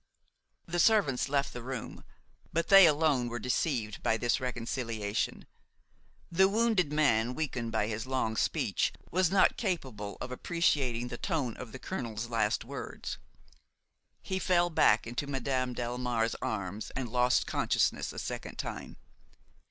The servants left the room; but they alone were deceived by this reconciliation. The wounded man, weakened by his long speech, was not capable of appreciating the tone of the colonel's last words. He fell back into Madame Delmare's arms and lost consciousness a second time.